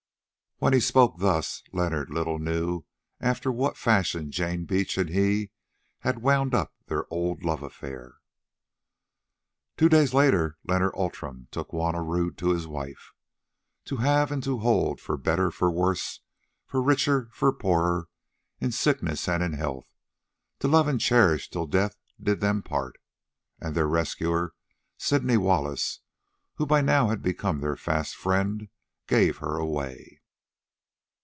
When he spoke thus, Leonard little knew after what fashion Jane Beach and he had wound up their old love affair. Two days later Leonard Outram took Juanna Rodd to wife, "to have and to hold, for better, for worse, for richer, for poorer, in sickness and in health, to love and to cherish till death did them part," and their rescuer, Sydney Wallace, who by now had become their fast friend, gave her away.